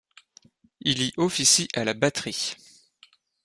Il y officie à la batterie.